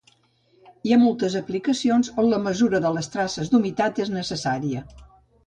Hi ha moltes aplicacions on la mesura de les traces d'humitat és necessària.